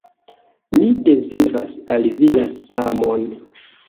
Mi deziras al vi la samon!